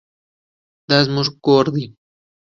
دا زموږ ګور دی